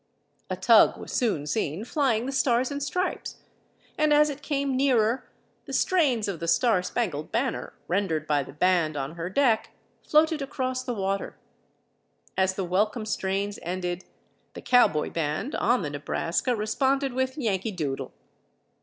A tug was soon seen flying the Stars and Stripes, and as it came nearer the strains of "The Star Spangled Banner," rendered by the band on her deck, floated across the water. As the welcome strains ended, the cowboy band on the Nebraska responded with "Yankee Doodle."